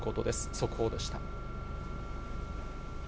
速報でした。